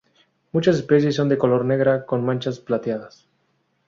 Muchas especies son de color negro con manchas plateadas.